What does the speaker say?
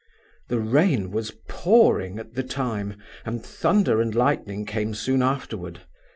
The rain was pouring at the time, and thunder and lightning came soon afterward.